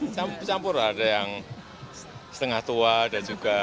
ada yang campur ada yang setengah tua ada juga